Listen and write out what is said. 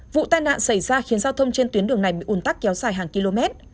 vụ tai nạn xảy ra khiến giao thông trên tuyến đường này bị ủn tắc kéo dài hàng km